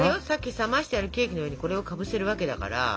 さっき冷ましてあるケーキの上にこれをかぶせるわけだから。